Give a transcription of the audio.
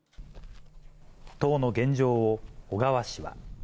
党の現状を、小川氏は。